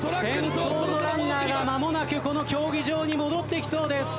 先頭のランナーが間もなくこの競技場に戻ってきそうです。